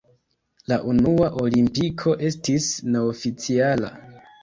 La unua Olimpiko estis neoficiala.